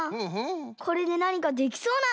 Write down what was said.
これでなにかできそうなんだけど。